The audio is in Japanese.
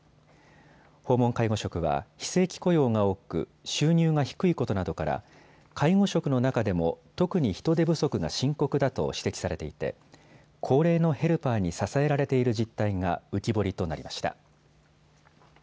訪問介護職は非正規雇用が多く、収入が低いことなどから介護職の中でも、特に人手不足が深刻だと指摘されていて高齢のヘルパーに支えられている実態が浮き彫りとなりました。